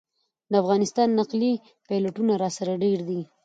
د افغانستان نقلي پلېټونه راسره ډېر دي.